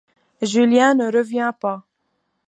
Julien ne revient pas.